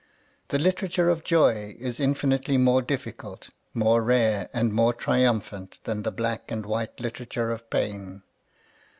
The literature of joy s infinitely more difficult, more rare and mor? triumphant than the black and white litera ture of pain.